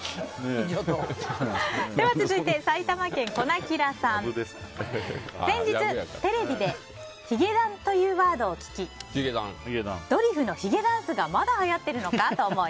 続いて、埼玉県の方。先日、テレビで「ヒゲダン」というワードを聞きドリフのひげダンスがまだはやってるのかと思い